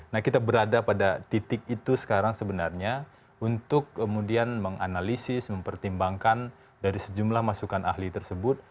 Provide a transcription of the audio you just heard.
nah kita berada pada titik itu sekarang sebenarnya untuk kemudian menganalisis mempertimbangkan dari sejumlah masukan ahli tersebut